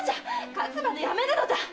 勝つまでやめぬのだ！〕